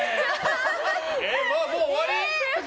もう終わり？